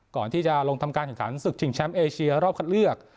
ก่อนที่จะลงทำการการสุขชิงแชมป์เอเชียรอบคัดเลือก